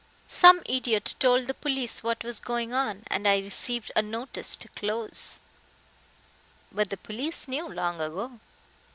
"Some idiot told the police what was going on and I received a notice to close." "But the police knew long ago."